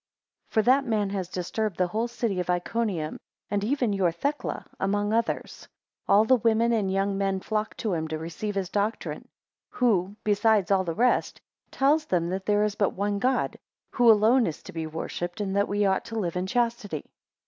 7 For that man has disturbed the whole city of Iconium, and even your Thecla, among others. All the women and young men flock to him to receive his doctrine; who, besides all the rest, tells them that there is but one God, who alone is to be worshipped, and that we ought to live in chastity.